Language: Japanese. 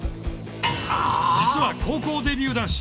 実は高校デビュー男子。